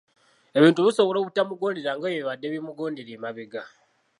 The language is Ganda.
Ebintu bisobola obutamugondera nga bwe bibadde bimugondera emabega.